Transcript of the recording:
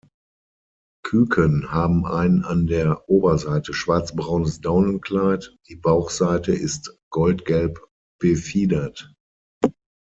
Küken haben ein an der Oberseite schwarzbraunes Daunenkleid, die Bauchseite ist goldgelb befiedert.